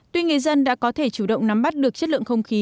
tuy người dân đã có thể chủ động nắm bắt được chất lượng không khí